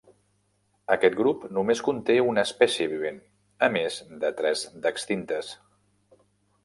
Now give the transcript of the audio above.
Aquest grup només conté una espècie vivent, a més de tres d'extintes.